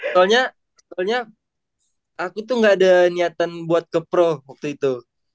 soalnya aku tuh gak ada niatan buat ke pro waktu itu